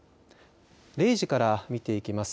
０時から見ていきます。